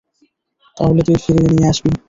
তাহলে তুই ফিরিয়ে নিয়ে আসবি!